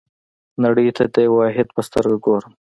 نړۍ ته د یوه واحد په سترګه ګورم.